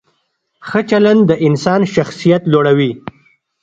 ښه چلند د انسان شخصیت لوړوي.